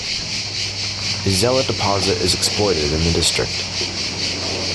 A zeolite deposit is exploited in the district.